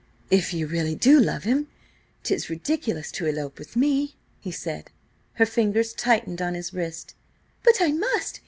"If you really do love him, 'tis ridiculous to elope with me," he said. Her fingers tightened on his wrist. "But I must!